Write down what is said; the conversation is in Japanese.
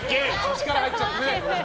力入っちゃってね。